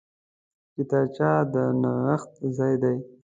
کتابچه د نوښت ځای دی